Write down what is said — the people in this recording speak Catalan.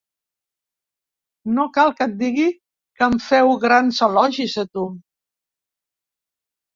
No cal que et digui que em féu grans elogis de tu.